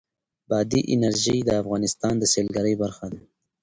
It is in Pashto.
بادي انرژي د افغانستان د سیلګرۍ برخه ده.